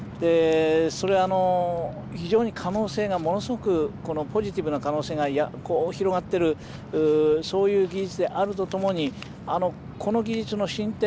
それは非常にものすごくポジティブな可能性が広がっているそういう技術であるとともにこの技術の進展